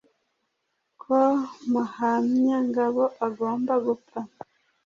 ko Muhamyangabo agomba gupfa.